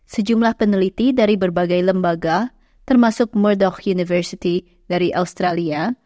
sejumlah peneliti dari berbagai lembaga termasuk mordog university dari australia